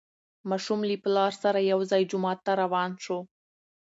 ماشوم له پلار سره یو ځای جومات ته روان شو